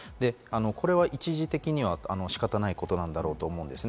これは一時的には仕方ないことなんだろうとは思います。